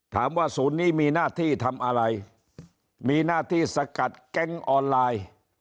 ศูนย์นี้มีหน้าที่ทำอะไรมีหน้าที่สกัดแก๊งออนไลน์